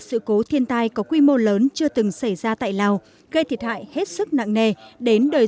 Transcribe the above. sự cố thiên tai có quy mô lớn chưa từng xảy ra tại lào gây thiệt hại hết sức nặng nề đến đời